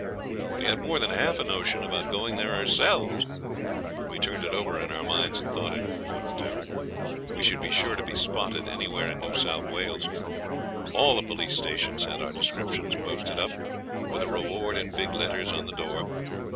We had more than half a notion about going there ourselves, but we turned it over in our minds, and thought it wouldn't do. We should be sure to be spotted anywhere in New South Wales. All the police stations had our descriptions posted up, with a reward in big letters on the door.